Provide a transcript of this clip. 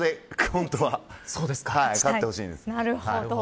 本当は勝ってほしいです。